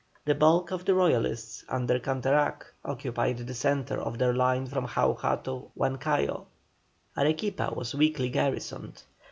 The bulk of the Royalists, under Canterac, occupied the Centre of their line from Jauja to Huancayo. Arequipa was weakly garrisoned.